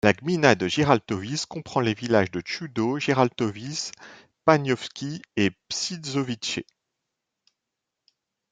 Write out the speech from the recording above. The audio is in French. La gmina de Gierałtowice comprend les villages de Chudów, Gierałtowice, Paniówki et Przyszowice.